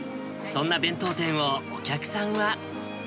そんな弁当店を、お客さんは。